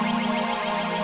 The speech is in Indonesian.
jangan lupa untuk tonton